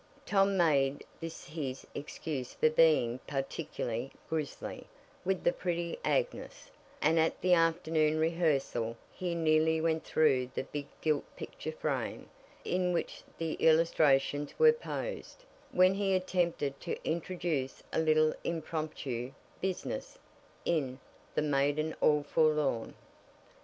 Tom made this his excuse for being particularly "grizzly" with the pretty Agnes, and at the afternoon rehearsal he nearly went through the big gilt picture frame, in which the illustrations were posed, when he attempted to introduce a little impromptu "business" in "The Maiden all Forlorn."